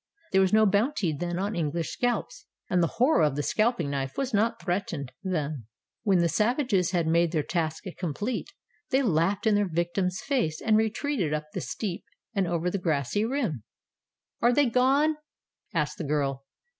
There was no bounty then on English scalps, and the horror of the scalping knife was not threatened them. When the savages had made their task complete, they laughed in their victims' faces and retreated up the steep and over the grassy rim. "Are they gone?" asked the girl.